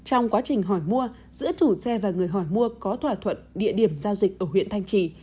trong quá trình hỏi mua giữa chủ xe và người hỏi mua có thỏa thuận địa điểm giao dịch ở huyện thanh trì